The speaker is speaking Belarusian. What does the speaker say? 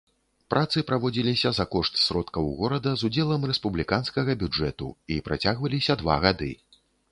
Працы праводзіліся за кошт сродкаў горада з удзелам рэспубліканскага бюджэту і працягваліся два гады.